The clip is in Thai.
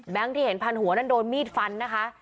ที่เห็นพันหัวนั้นโดนมีดฟันนะคะ